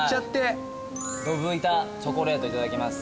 ドブ板チョコレートいただきます。